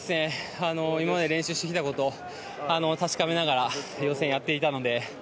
今まで練習してきたことを確かめながら予選をやっていたので。